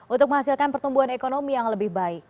untuk menghasilkan pertumbuhan ekonomi yang lebih baik